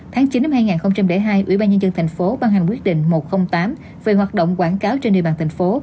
tháng chín năm hai nghìn hai ủy ban nhân dân thành phố ban hành quyết định một trăm linh tám về hoạt động quảng cáo trên địa bàn thành phố